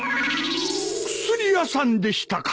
薬屋さんでしたか。